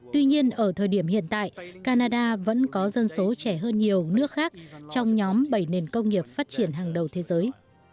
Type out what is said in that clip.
tuy nhiên ở thời điểm hiện tại canada vẫn có dân số trẻ hơn nhiều nước khác trong nhóm bảy nền công nghiệp phát triển hàng đầu thế giới